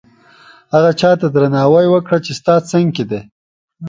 هغه چاته درناوی وکړه چې ستا څنګ کې دي.